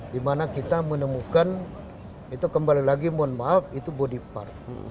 dimana kita menemukan itu kembali lagi mohon maaf itu body part